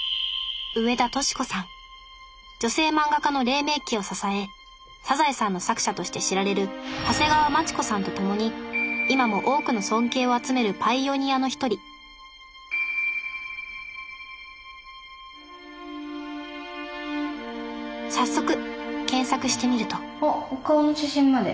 女性漫画家の黎明期を支え「サザエさん」の作者として知られる長谷川町子さんと共に今も多くの尊敬を集めるパイオニアの一人早速検索してみるとお顔の写真まで。